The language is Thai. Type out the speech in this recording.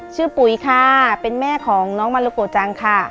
ปุ๋ยค่ะเป็นแม่ของน้องมาโลโกจังค่ะ